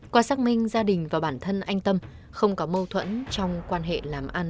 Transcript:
qua xác minh gia đình và bản thân anh tâm không có mâu thuẫn trong quan hệ làm ăn